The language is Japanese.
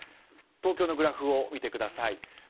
東京のグラフを見てください